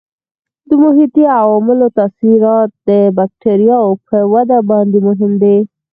د محیطي عواملو تاثیرات د بکټریاوو په وده باندې مهم دي.